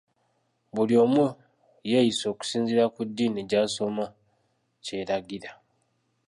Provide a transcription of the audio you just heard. Buli omu yeeyise okusinziira ku ddiini gy’asoma kyeragira.